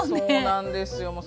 そうなんですよ。